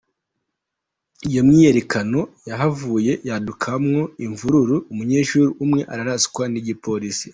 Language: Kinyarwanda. Iyo myiyerekano yahavuye yadukamwo imvururu, umunyeshuli umwe araraswa n'igipolisi.